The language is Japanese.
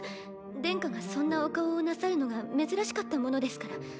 殿下がそんなお顔をなさるのが珍しかったものですから。